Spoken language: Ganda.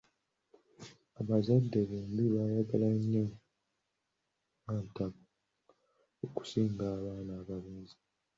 Abazadde bombi baayagala nnyo Natabo okusinga abaana abalenzi.